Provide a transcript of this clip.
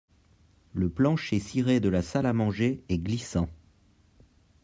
Le plancher ciré de la salle à manger est glissant